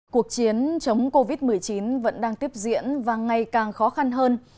cuộc chiến chống covid một mươi chín vẫn đang tiếp diễn và ngày càng khó khăn hơn